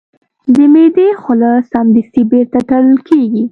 د معدې خوله سمدستي بیرته تړل کېږي.